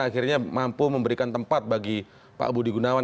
akhirnya mampu memberikan tempat bagi pak budi gunawan